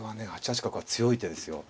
８八角は強い手ですよ。